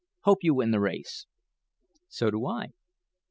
Hope you win the race." "So do I."